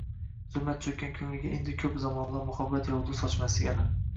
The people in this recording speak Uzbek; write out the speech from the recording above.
Zulmat cho`kkan ko`ngliga endi ko`p zamonlar muhabbat yog`du sochmasligi aniq